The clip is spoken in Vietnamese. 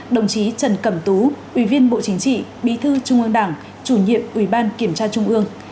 đồng chí trần cẩm tú ubnd bí thư trung ương đảng chủ nhiệm ubnd kiểm tra trung ương